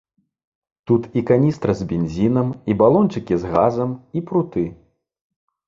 Тут і каністра з бензінам, і балончыкі з газам, і пруты.